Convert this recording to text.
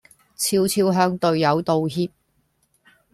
俏俏向隊友道歉